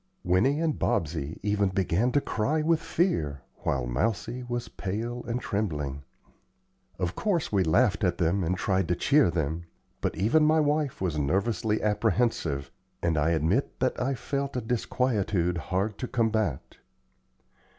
Winnie and Bobsey even began to cry with fear, while Mousie was pale and trembling. Of course, we laughed at them and tried to cheer them; but even my wife was nervously apprehensive, and I admit that I felt a disquietude hard to combat.